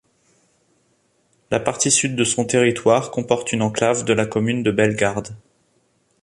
La partie sud de son territoire comporte une enclave de la commune de Bellegarde.